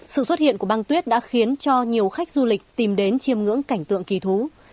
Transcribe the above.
sự xuất hiện của băng tuyết đã khiến cho nhiều khách du lịch tìm đến chiêm ngưỡng cảnh tượng kỳ thú